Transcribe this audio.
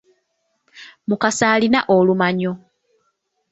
Mukasa alina olumanyo.